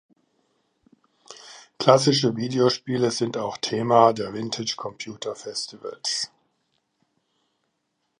Klassische Videospiele sind auch Thema der Vintage Computer Festivals.